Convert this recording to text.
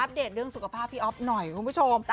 เดตเรื่องสุขภาพพี่อ๊อฟหน่อยคุณผู้ชม